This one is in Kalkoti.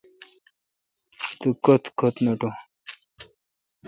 توکت کت نٹوں۔